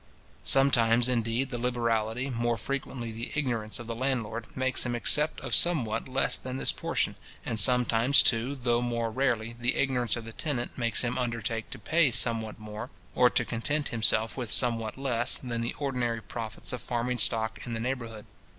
Sometimes, indeed, the liberality, more frequently the ignorance, of the landlord, makes him accept of somewhat less than this portion; and sometimes, too, though more rarely, the ignorance of the tenant makes him undertake to pay somewhat more, or to content himself with somewhat less, than the ordinary profits of farming stock in the neighbourhood.